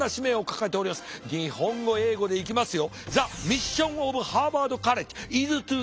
日本語英語でいきますよ。